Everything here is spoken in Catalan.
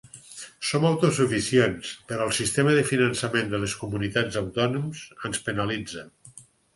Som autosuficients, però el sistema de finançament de les comunitats autònomes ens penalitza.